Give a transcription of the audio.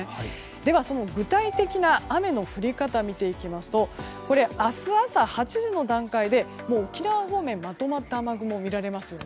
では、その具体的な雨の降り方見ていきますと明日朝８時の段階でもう沖縄方面にはまとまった雨雲が見られます。